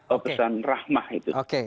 oh pesan rahmah itu